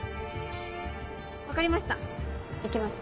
分かりました行きます。